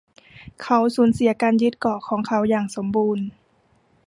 เขาสูญเสียการยึดเกาะของเขาอย่างสมบูรณ์